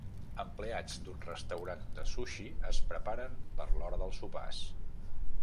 Empleats d'un restaurant de sushi es preparen per l'hora dels sopars